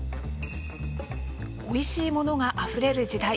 おいしいものがあふれる時代。